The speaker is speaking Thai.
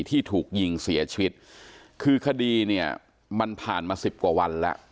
ที่ถูกยิงเสียชีวิตคือคดีเนี่ยมันผ่านมาสิบกว่าวันแล้ว